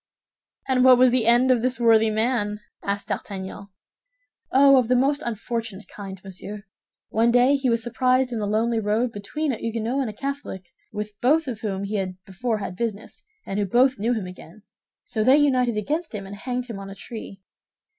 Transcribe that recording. "And what was the end of this worthy man?" asked D'Artagnan. "Oh, of the most unfortunate kind, monsieur. One day he was surprised in a lonely road between a Huguenot and a Catholic, with both of whom he had before had business, and who both knew him again; so they united against him and hanged him on a tree.